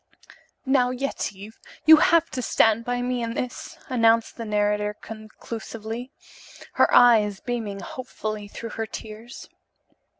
"Now, Yetive, you have to stand by me in this," announced the narrator conclusively, her eyes beaming hopefully through her tears.